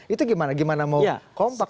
itu gimana gimana mau kompak